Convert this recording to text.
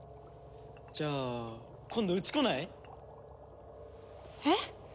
じゃあ今度うち来ない？えっ？